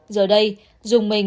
giờ đây dùng mình